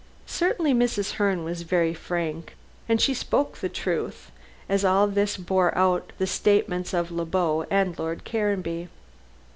Certainly Mrs. Herne was very frank, and spoke the truth, as all this bore out the statements of Le Beau and Lord Caranby.